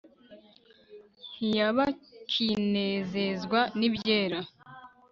ntiyabakinezezwa nibyera